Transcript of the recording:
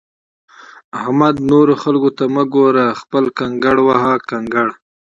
احمده! نورو خلګو ته مه ګوره؛ خپل کنګړ وهه کنکړ!